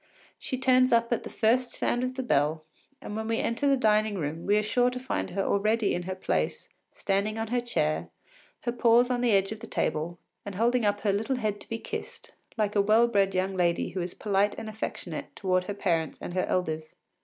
She turns up at the first sound of the bell, and when we enter the dining room we are sure to find her already in her place, standing on her chair, her paws on the edge of the table, and holding up her little head to be kissed, like a well bred young lady who is polite and affectionate towards her parents and her elders.